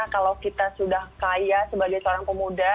kalau kita sudah kaya sebagai seorang pemuda